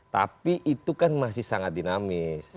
tapi itu kan masih sangat dinamis